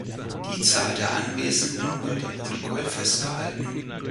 Die Zahl der Anwesenden wird im Protokoll festgehalten.